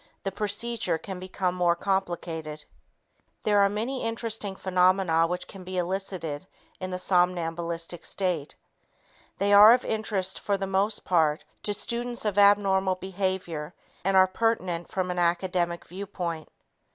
There are many interesting phenomena which can be elicited in the somnambulistic state. They are of interest for the most part, to students of abnormal behavior and are pertinent from an academic viewpoint.